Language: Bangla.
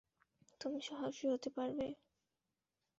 তুমি সাহসী হতে পারবো?